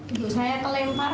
ibu saya kelempar